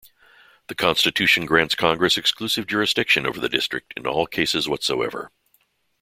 The Constitution grants Congress exclusive jurisdiction over the District in all cases whatsoever.